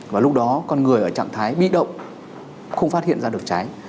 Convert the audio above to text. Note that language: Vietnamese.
và lúc đó con người ở trạng thái bị động không phát hiện ra được cháy